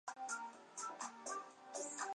本来想爬上去